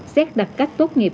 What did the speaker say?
xét đặt cách tốt nghiệp